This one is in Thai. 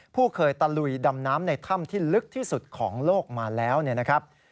ผู้เคยตะลุยดำน้ำในถ้ำที่ลึกที่สุดของโลกมาแล้วเนี่ยนะครับ